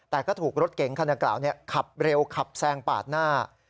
แต่ก็ถูกรถเก๋งคันกล่าวขับเร็วขับแซงปาดหน้า